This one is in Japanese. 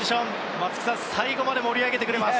松木さん、最後まで盛り上げてくれます。